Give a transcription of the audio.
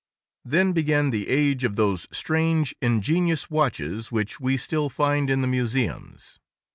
Then began the age of those strange, ingenious watches which we still find in the museums.